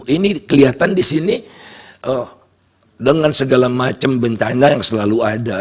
ini kelihatan di sini dengan segala macam bentana yang selalu ada